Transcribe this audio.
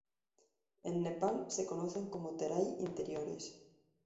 En Nepal se conocen como Terai interiores.